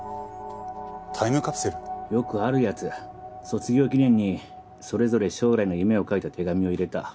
卒業記念にそれぞれ将来の夢を書いた手紙を入れた。